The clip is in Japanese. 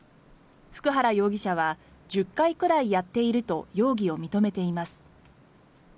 普久原容疑者は１０回くらいやっていると容疑を認めています。